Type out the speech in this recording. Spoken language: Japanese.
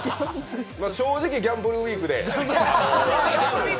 正直ギャンブルウィークで。